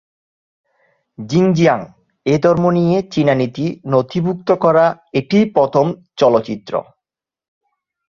জিনজিয়াং-এ ধর্ম নিয়ে চীনা নীতি নথিভুক্ত করা এটিই প্রথম চলচ্চিত্র।